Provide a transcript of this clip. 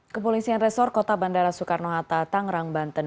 kepolisian resor kota bandara soekarno hatta tangerang banten